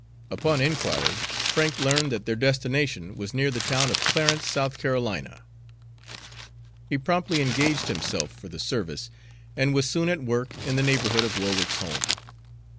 Upon inquiry Frank learned that their destination was near the town of Clarence, South Carolina. He promptly engaged himself for the service, and was soon at work in the neighborhood of Warwick's home.